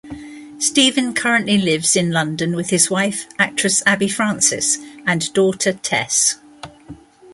Steven currently lives in London with his wife actress Abby Francis and daughter Tess.